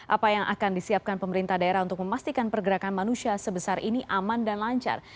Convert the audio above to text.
apa yang akan disiapkan pemerintah daerah untuk memastikan pergerakan manusia sebesar ini aman dan lancar